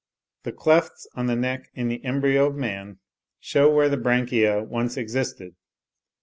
The clefts on the neck in the embryo of man shew where the branchiae once existed.